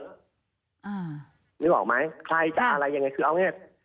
ไม่รู้หรอกไหมใครจะอะไรยังไงคือเอาแน่นี้